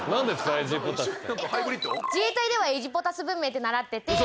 エジポタスって。